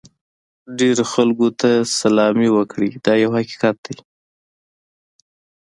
ډېرو خلکو ته سلامي وکړئ دا یو حقیقت دی.